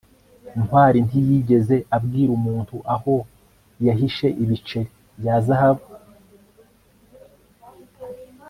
ntwali ntiyigeze abwira umuntu aho yahishe ibiceri bya zahabu